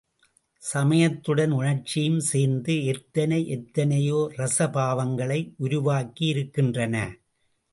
சமயத்துடன் உணர்ச்சியும் சேர்ந்து எத்தனை எத்தனையோ ரஸபாவங்களை உருவாக்கியிருக்கின்றன.